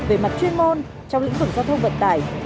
về mặt chuyên môn trong lĩnh vực giao thông vận tải